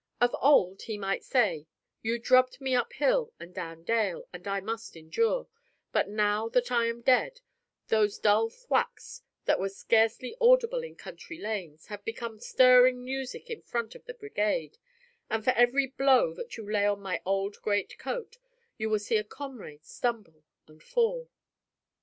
Of old, he might say, you drubbed me up hill and down dale, and I must endure; but now that I am dead, those dull thwacks that were scarcely audible in country lanes, have become stirring music in front of the brigade; and for every blow that you lay on my old greatcoat, you will see a comrade stumble and fall.